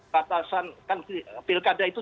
batasan kan pilkada itu